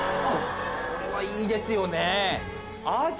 これはいいですよね。